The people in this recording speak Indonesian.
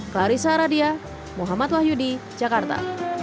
sampai jumpa di video selanjutnya